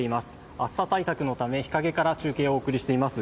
暑さ対策のため、日陰から中継をお送りしています。